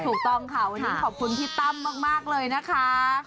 ถูกต้องค่ะวันนี้ขอบคุณพี่ตั้มมากเลยนะคะ